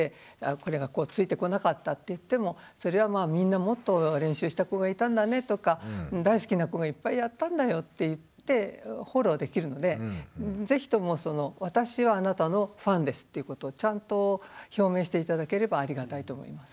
これがこうついてこなかったっていってもそれはみんなもっと練習した子がいたんだねとか大好きな子がいっぱいやったんだよって言ってフォローできるので是非とも私はあなたのファンですっていうことをちゃんと表明して頂ければありがたいと思います。